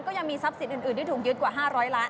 ก็ยังมีทรัพย์สินอื่นที่ถูกยึดกว่า๕๐๐ล้าน